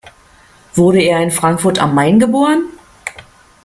Wurde er in Frankfurt am Main geboren?